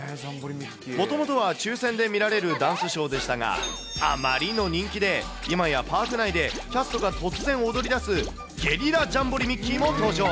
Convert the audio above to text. もともとは抽せんで見られるダンスショーでしたが、あまりの人気で今やパーク内でキャストが突然踊りだす、ゲリラジャンボリーミッキーも登場。